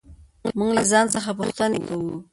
موږ له ځان څخه پوښتنې کوو.